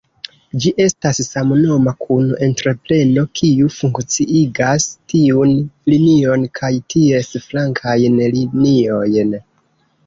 Ĝi estas samnoma kun entrepreno, kiu funkciigas tiun linion kaj ties flankajn liniojn.